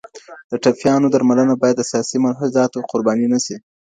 د ټپيانو درملنه باید د سیاسي ملحوظاتو قرباني نه سي.